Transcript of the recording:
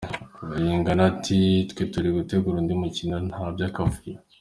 Bayingana ati, Twe turi gutegura undi mukino, nta byakavuyo.